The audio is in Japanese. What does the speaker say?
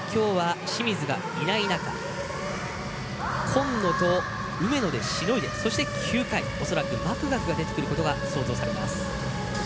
８回きょうは清水がいない中このあと梅野でしのいでそして９回恐らく、マクガフが出てくることが想像されます。